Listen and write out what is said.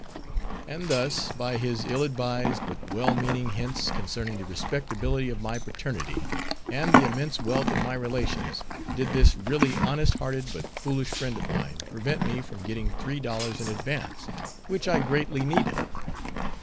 And thus, by his ill advised, but well meaning hints concerning the respectability of my paternity, and the immense wealth of my relations, did this really honest hearted but foolish friend of mine, prevent me from getting three dollars in advance, which I greatly needed.